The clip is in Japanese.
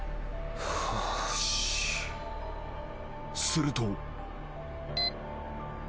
［すると］